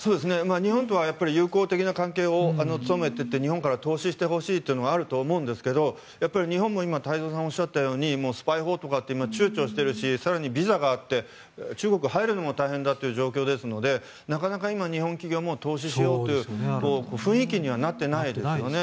日本とは友好的な関係を努めていて日本から投資してほしいというのがあると思うんですが日本も今、太蔵さんがおっしゃったようにスパイ法とかで躊躇しているし更にビザがあって中国に入るのも大変だという状況ですのでなかなか日本企業も投資しようという雰囲気にはなっていないですよね。